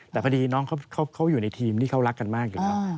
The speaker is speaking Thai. แต่พอดีน้องเขาอยู่ในทีมที่เขารักกันมากอยู่แล้ว